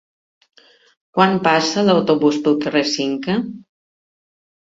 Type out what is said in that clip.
Quan passa l'autobús pel carrer Cinca?